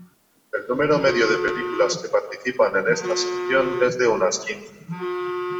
El número medio de películas que participan en esta sección es de unas quince.